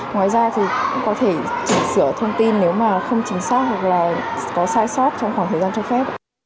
ngoài ra thì cũng có thể chỉnh sửa thông tin nếu mà không chính xác hoặc là có sai sót trong khoảng thời gian cho phép